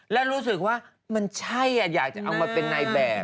แล้วรู้สึกว่ามันใช่อยากจะเอามาเป็นนายแบบ